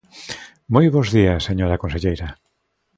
Moi bos días, señora conselleira.